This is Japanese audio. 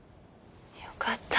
よかった。